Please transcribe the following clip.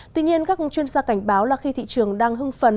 tuy nhiên các chuyên gia cảnh báo là khi thị trường đang hưng phấn